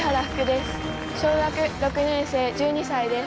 小学６年生１２歳です。